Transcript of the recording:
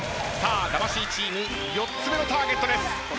魂チーム４つ目のターゲットです。